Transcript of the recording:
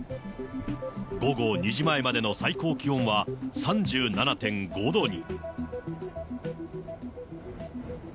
午後２時前までの最高気温は３７．５度に。